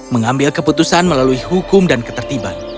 mengambil keputusan melalui hukum dan ketertiban